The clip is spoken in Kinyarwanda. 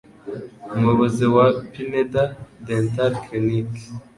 Umuyobozi wa 'Pineda Dental Clinic',